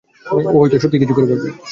ও হয়তো সত্যিই কিছু করে বসবে।